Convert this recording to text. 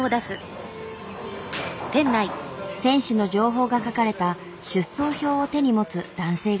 選手の情報が書かれた出走表を手に持つ男性がいた。